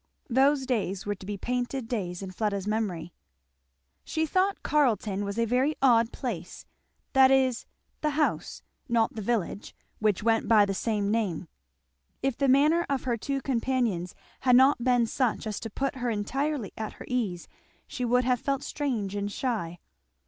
Those days were to be painted days in Fleda's memory. She thought Carleton was a very odd place. That is, the house, not the village which went by the same name. If the manner of her two companions had not been such as to put her entirely at her ease she would have felt strange and shy.